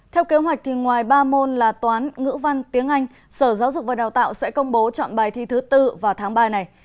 theo kế hoạch ngoài ba môn là toán ngữ văn tiếng anh sở giáo dục và đào tạo sẽ công bố chọn bài thi thứ bốn vào tháng ba này